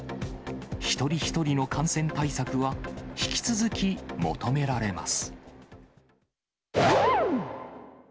一人一人の感染対策は、引き続き求められます。